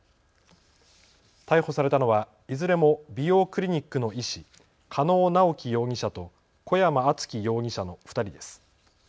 逮捕されたのはいずれも美容クリニックの医師、加納直樹容疑者と小山忠宣容疑者の２人です。